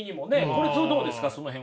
これどうですかその辺は。